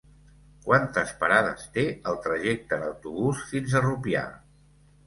Quantes parades té el trajecte en autobús fins a Rupià?